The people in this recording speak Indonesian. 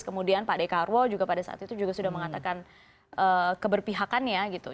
kemudian pak dekarwo juga pada saat itu juga sudah mengatakan keberpihakannya gitu